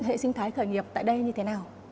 hệ sinh thái khởi nghiệp tại đây như thế nào